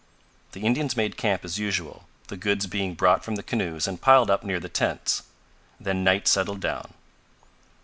The Indians made camp as usual, the goods being brought from the canoes and piled up near the tents. Then night settled down.